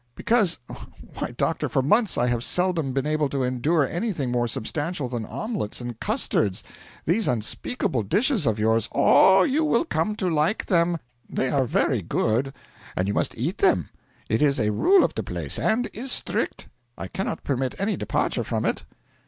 Because why, doctor, for months I have seldom been able to endure anything more substantial than omelettes and custards. These unspeakable dishes of yours ' 'Oh, you will come to like them. They are very good. And you must eat them. It is a rule of the place, and is strict. I cannot permit any departure from it.'